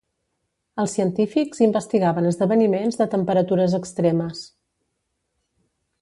Els científics investigaven esdeveniments de temperatures extremes.